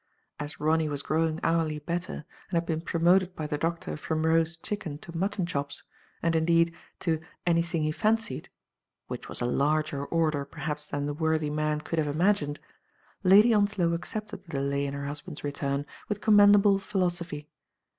As Ronny was grow ing hourly better, and had been promoted by the doctor from roast chicken to mutton chops, and, indeed, to * 'anything he fancied,'* which was a larger order perhaps than the worthy man could have imagined. Lady Onslow accepted the delay in her husband's return with commendable phi losophy.